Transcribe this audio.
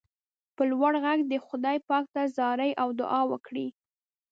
په لوړ غږ دې خدای پاک ته زارۍ او دعا وکړئ.